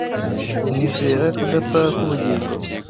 Nizera kudapfa k'ubugingo.